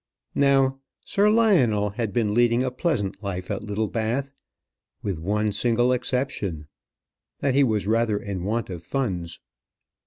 Now Sir Lionel had been leading a pleasant life at Littlebath, with one single exception that he was rather in want of funds.